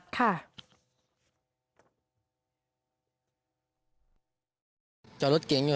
มันมีปืน